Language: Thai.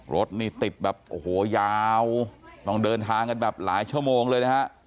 รถนี่ติดแบบโอ้โหยาวต้องเดินทางกันแบบหลายชั่วโมงเลยนะฮะ